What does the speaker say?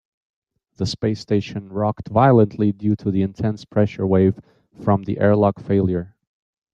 The space station rocked violently due to the intense pressure wave from the airlock failure.